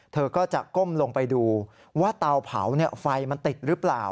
เธอก็จะก้มลงไปดูว่าเตาเผาไฟมันติดหรือเปล่า